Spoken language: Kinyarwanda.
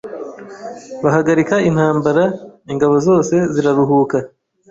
Bahagarika intambara, ingabo zose ziraruhuka.